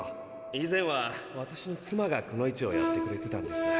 以前は私の妻がクノイチをやってくれてたんです。